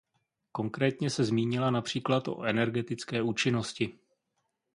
Konkrétně se zmínila například o energetické účinnosti.